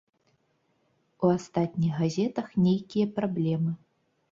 У астатніх газетах нейкія праблемы.